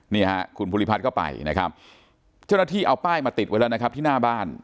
นี่ฮะคุณภูริพัฒน์ก็ไปนะครับเจ้าหน้าที่เอาป้ายมาติดไว้แล้วนะครับที่หน้าบ้าน